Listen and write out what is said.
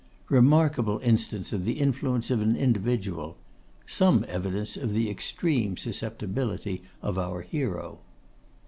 Remarkable instance of the influence of an individual; some evidence of the extreme susceptibility of our hero.